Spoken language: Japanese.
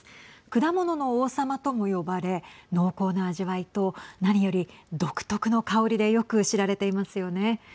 果物の王様とも呼ばれ濃厚な味わいと何より独特の香りでよく知られていますよね。